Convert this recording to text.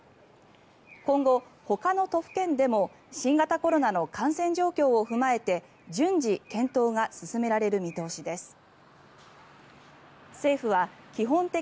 今後、ほかの都府県でも新型コロナの感染状況を踏まえて順次検討が進められる見通しです。